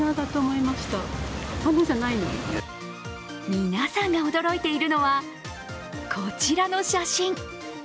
皆さんが驚いているのはこちらの写真。